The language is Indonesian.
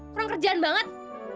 kurang kerjaan banget